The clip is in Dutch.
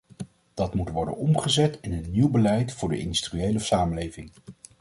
Dat moet worden omgezet in een nieuw beleid voor de industriële samenleving.